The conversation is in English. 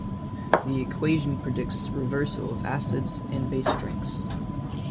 The equation predicts reversal of acids and base strengths.